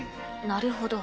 なるほど。